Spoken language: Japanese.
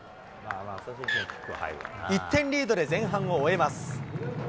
１点リードで前半を終えます。